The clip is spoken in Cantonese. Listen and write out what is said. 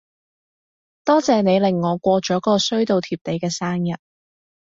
多謝你令我過咗個衰到貼地嘅生日